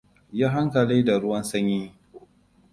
Yi hankali da ruwan sanyi.